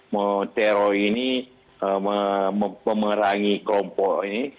mau teror ini memerangi kelompok ini